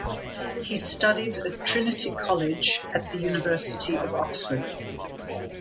He studied at Trinity College at the University of Oxford.